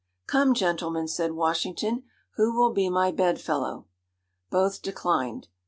'Come, gentlemen!' said Washington, 'who will be my bedfellow?' Both declined.